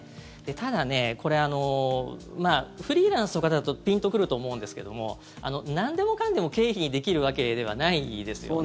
ただね、これフリーランスの方だとピンとくると思うんですけどもなんでもかんでも経費にできるわけではないですよね。